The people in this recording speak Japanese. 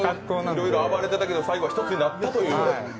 いろいろ暴れてたけど、最後は一つになったという。